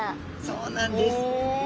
そうなんです。